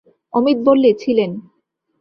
অমিত বললে, ছিলেন।